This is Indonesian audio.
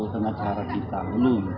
dengan cara kita belum